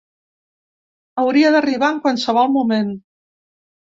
Hauria d’arribar en qualsevol moment.